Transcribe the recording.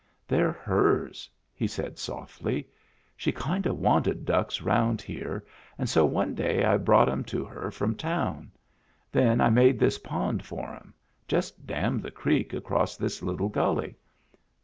" They're hers," he said softly. " She kind o' wanted ducks round here and so one day I brought 'em to her from town. Then I made this pond for 'em — just dammed the creek across this little gully.